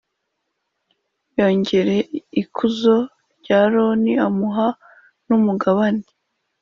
Yongereye ikuzo rya Aroni, amuha n’umugabane,